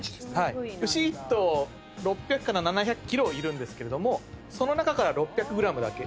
牛一頭６００から７００ｋｇいるんですけれどもその中から６００ｇだけ。